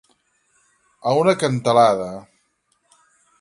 A una cantalada.